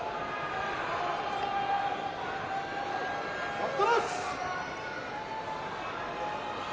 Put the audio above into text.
待ったなし。